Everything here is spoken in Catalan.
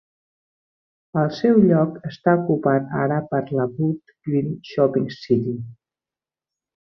El seu lloc està ocupat ara per la Wood Green Shopping City.